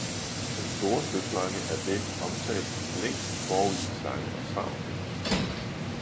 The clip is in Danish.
Den store søslange er det, omtalt længst forud i sange og sagn.